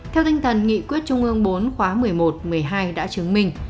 theo tinh thần nghị quyết trung ương bốn khóa một mươi một một mươi hai đã chứng minh